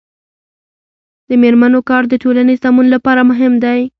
د میرمنو کار د ټولنې سمون لپاره مهم دی.